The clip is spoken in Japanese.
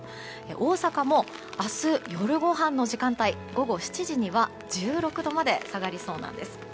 大阪も、明日夜ご飯の時間帯の午後７時には１６度まで下がりそうなんです。